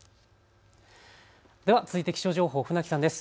続いて気象情報、船木さんです。